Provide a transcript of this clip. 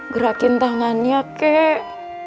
gerakin tangannya kek